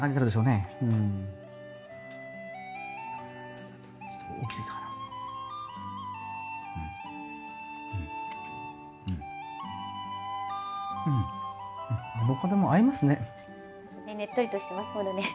ねっとりとしてますものね。